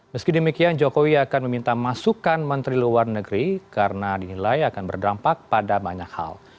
meski demikian jokowi akan meminta masukan menteri luar negeri karena dinilai akan berdampak pada banyak hal